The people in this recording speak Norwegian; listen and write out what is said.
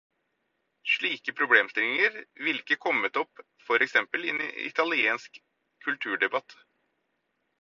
Slike problemstillinger ville ikke kommet opp for eksempel i en italiensk kulturdebatt.